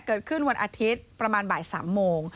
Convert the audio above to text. เกิดขึ้นวันอาทิตย์ประมาณบ่าย๓โมง